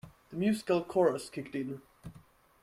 The musical chorus kicked in.